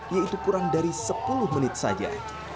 yaitu kurang dari sepuluh menit saja